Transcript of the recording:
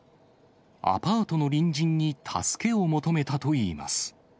アパートの隣人に助けを求めたといいます。